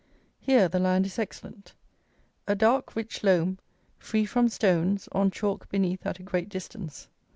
Here the land is excellent. A dark, rich loam, free from stones, on chalk beneath at a great distance.